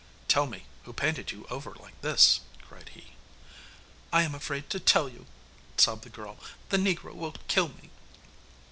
'Tell me, who painted you over like this?' cried he. 'I am afraid to tell you,' sobbed the girl, 'the negro will kill me.